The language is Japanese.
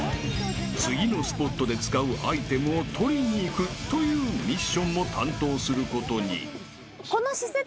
［次のスポットで使うアイテムを取りに行くというミッションも担当することに］